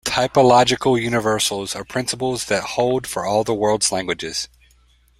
Typological universals are principles that hold for all the world's languages.